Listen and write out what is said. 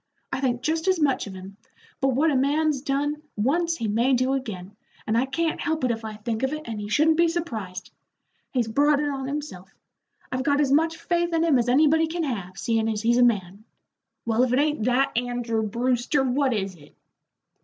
"I think just as much of him, but what a man's done once he may do again, and I can't help it if I think of it, and he shouldn't be surprised. He's brought it on himself. I've got as much faith in him as anybody can have, seein' as he's a man. Well, if it ain't that, Andrew Brewster, what is it?"